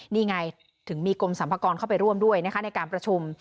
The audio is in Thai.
นี่ไงถึงมีกรมสรรพากรเข้าไปร่วมด้วยนะคะในการประชุม